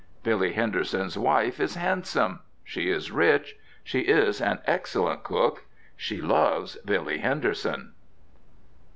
Billy Henderson's wife is handsome; she is rich; she is an excellent cook; she loves Billy Henderson.